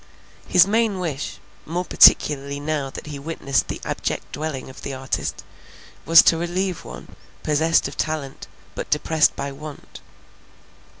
His main wish, more particularly now that he witnessed the abject dwelling of the artist, was to relieve one, possessed of talent, but depressed by want.